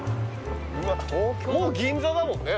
もう銀座だもんね